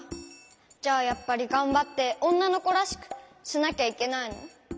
じゃあやっぱりがんばって「おんなのこらしく」しなきゃいけないの？